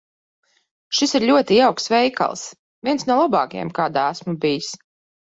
Šis ir ļoti jauks veikals. Viens no labākajiem, kādā esmu bijis.